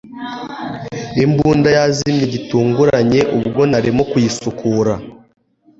Imbunda yazimye gitunguranye ubwo narimo kuyisukura